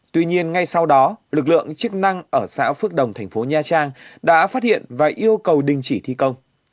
tuy nhiên ngay sau đó lực lượng chức năng ở xã phước đồng thành phố nha trang đã phát hiện và yêu cầu đình chỉ thi công